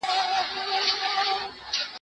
زه اجازه لرم چي کالي وپرېولم!.